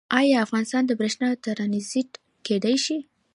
آیا افغانستان د بریښنا ټرانزیټ کیدی شي؟